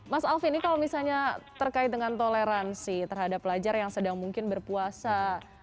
mas alvin ini kalau misalnya terkait dengan toleransi terhadap pelajar yang sedang mungkin berpuasa